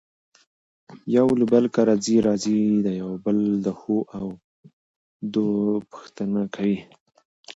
يو له بل کره ځي راځي يو د بل دښو او دو پوښنته کوي.